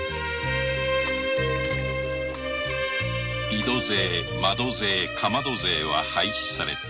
井戸税窓税かまど税は廃止された。